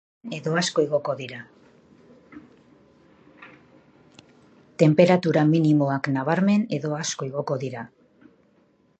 Tenperatura minimoak nabarmen edo asko igoko dira.